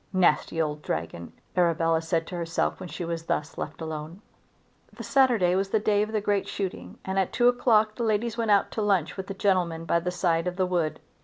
"Nasty old dragon!" Arabella said to herself when she was thus left alone. The Saturday was the day of the great shooting and at two o'clock the ladies went out to lunch with the gentlemen by the side of the wood.